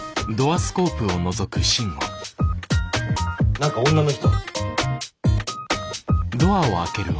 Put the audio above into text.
何か女の人。